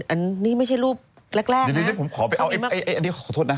อันนี้ไม่ใช่รูปแรกนะ